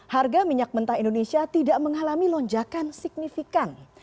harga minyak mentah indonesia tidak mengalami lonjakan signifikan